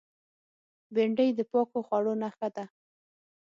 بېنډۍ د پاکو خوړو نخښه ده